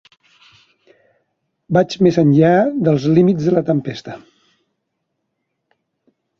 Vaig més enllà dels límits de la tempesta.